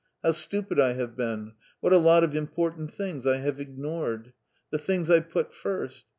How stupid I have been; what a lot of important things I have ignored. The things I put first!